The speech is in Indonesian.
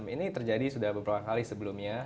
ini terjadi sudah beberapa kali sebelumnya